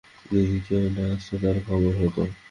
যদি কেউ না আসত তার খবর হত।